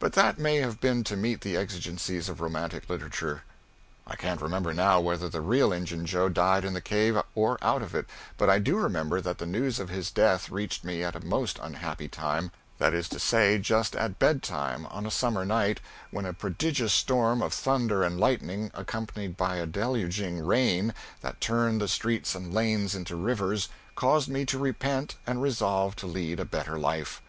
But that may have been to meet the exigencies of romantic literature. I can't remember now whether the real Injun Joe died in the cave or out of it, but I do remember that the news of his death reached me at a most unhappy time that is to say, just at bedtime on a summer night when a prodigious storm of thunder and lightning accompanied by a deluging rain that turned the streets and lanes into rivers, caused me to repent and resolve to lead a better life.